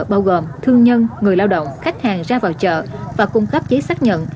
bao gồm thương nhân người lao động khách hàng ra vào chợ và cung cấp giấy xác nhận